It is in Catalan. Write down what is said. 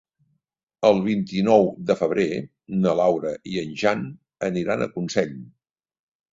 El vint-i-nou de febrer na Laura i en Jan aniran a Consell.